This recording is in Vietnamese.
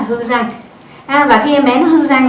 hư răng và khi em bé nó hư răng